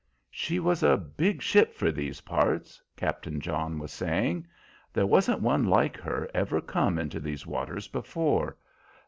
"She was a big ship for these parts," Captain John was saying. "There wan't one like her ever come into these waters before.